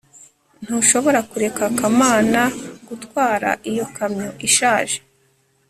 ntushobora kureka kamana gutwara iyo kamyo ishaje